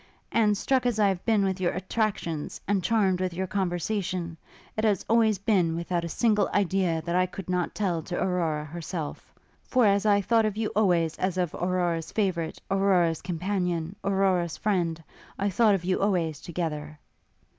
And, struck as I have been with your attractions, and charmed with your conversation, it has always been without a single idea that I could not tell to Aurora herself; for as I thought of you always as of Aurora's favourite, Aurora's companion, Aurora's friend, I thought of you always together.'